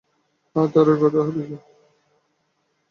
হাঁ, তারই কথা বইকি।